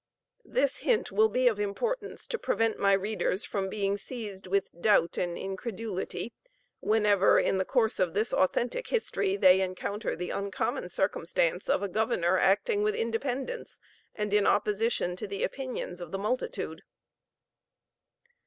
This hint will be of importance to prevent my readers from being seized with doubt and incredulity, whenever, in the course of this authentic history, they encounter the uncommon circumstance of a governor acting with independence, and in opposition to the opinions of the multitude.